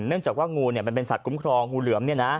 เนื่องจากว่างูมันเป็นสัตว์คุ้มครองงูเหลือม